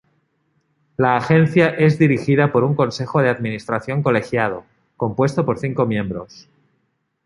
La Agencia es dirigida por un Consejo de Administración colegiado, compuesto por cinco miembros.